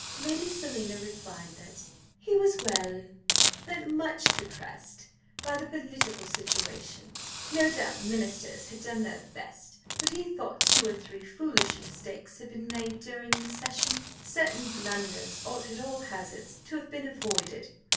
Lady Selina replied that he was well, but much depressed by the political situation. No doubt Ministers had done their best, but he thought two or three foolish mistakes had been made during the session. Certain blunders ought at all hazards to have been avoided.